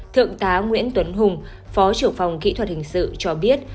thượng tá nguyễn tuấn hùng phó trưởng phòng kỹ thuật hình sự cho biết